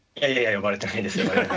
呼ばれてないです。